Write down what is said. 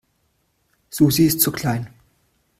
Susi ist zu klein.